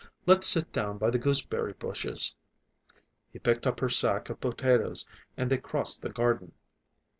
Let's sit down by the gooseberry bushes." He picked up her sack of potatoes and they crossed the garden.